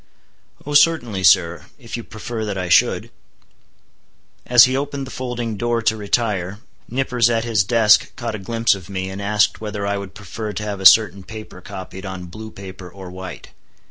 "Oh certainly, sir, if you prefer that I should." As he opened the folding door to retire, Nippers at his desk caught a glimpse of me, and asked whether I would prefer to have a certain paper copied on blue paper or white.